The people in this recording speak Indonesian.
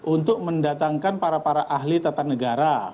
untuk mendatangkan para para ahli tata negara